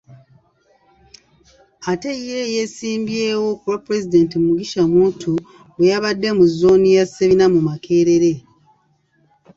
Ate ye eyeesimbyewo ku bwapulezidenti, Mugisha Muntu, bwe yabadde mu zooni ya Ssebina mu Makerere .